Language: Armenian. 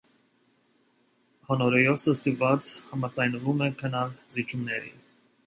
Հոնորիոսը ստիպված համաձայնվում է գնալ զիջումների։